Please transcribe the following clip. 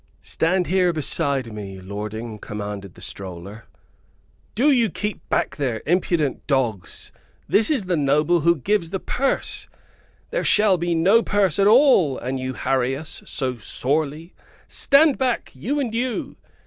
"Stand here beside me, lording," commanded the stroller. "Do you keep back there, impudent dogs! This is the noble who gives the purse. There shall be no purse at all, an you harry us so sorely. Stand back, you and you!"